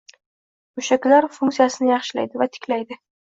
Mushaklar funksiyasini yaxshilaydi va tiklaydi;